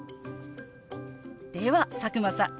では佐久間さん